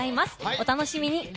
お楽しみに。